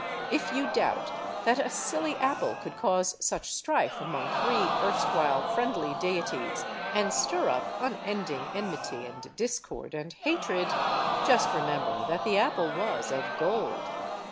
If you doubt that a silly apple could cause such strife among three erstwhile friendly deities and stir up unending enmity and discord and hatred, just remember that the apple was of gold.